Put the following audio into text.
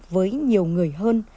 với nhiều người hơn